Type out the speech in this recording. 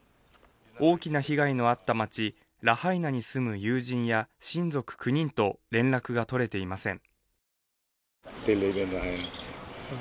大きな被害のあった町、ラハイナに住む友人や親族９人と連絡が取れていません。